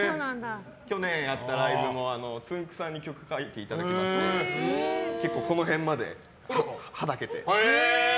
去年やったライブもつんく♂さんに曲を書いていただきまして結構、この辺まではだけて。